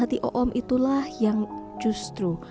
hati om itulah yang justru